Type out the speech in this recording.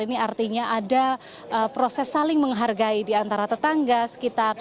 ini artinya ada proses saling menghargai di antara tetangga sekitar